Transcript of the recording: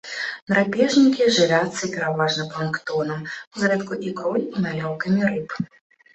Драпежнікі, жывяцца пераважна планктонам, зрэдку ікрой і маляўкамі рыб.